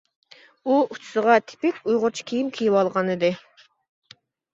ئۇ ئۇچىسىغا تىپىك ئۇيغۇرچە كىيىم كىيىۋالغانىدى.